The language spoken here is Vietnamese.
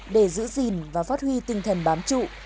để giữ gìn và phát huy tinh thần bám trụ